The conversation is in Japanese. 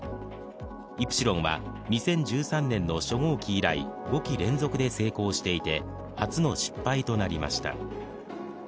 イプシロンは、２０１３年の初号機以来５機連続で成功していて初の失敗となりました。